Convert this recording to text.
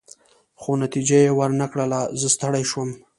خو نتیجه يې ورنه کړل، زه ستړی شوم.